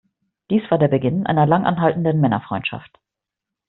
Dies war der Beginn einer lang anhaltenden Männerfreundschaft.